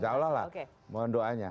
tidak lelah lah mohon doanya